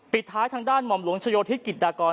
ท้ายทางด้านหม่อมหลวงชโยธิศกิจดากร